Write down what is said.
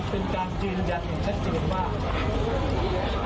ชัดว่าอำนาจรักที่เชาะฉนอินติพลที่คงเป็นผู้คน